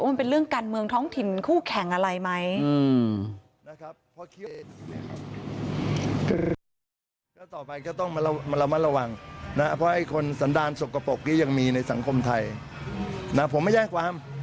มันเป็นเรื่องการเมืองท้องถิ่นคู่แข่งอะไรไหม